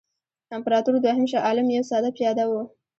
امپراطور دوهم شاه عالم یو ساده پیاده وو.